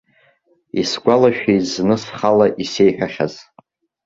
Исгәалашәеит зны схала исеиҳәахьаз.